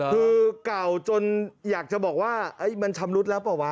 คือเก่าจนอยากจะบอกว่ามันชำรุดแล้วเปล่าวะ